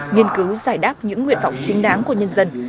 nghiên cứu giải đáp những nguyện vọng chính đáng của nhân dân